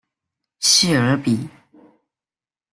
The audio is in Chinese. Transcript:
谢尔比。